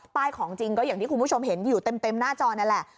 ของจริงก็อย่างที่คุณผู้ชมเห็นอยู่เต็มหน้าจอนี่แหละ